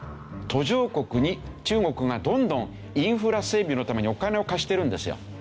途上国に中国がどんどんインフラ整備のためにお金を貸してるんですよ。